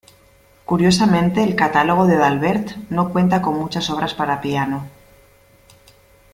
Curiosamente, el catálogo de D’Albert no cuenta con muchas obras para piano.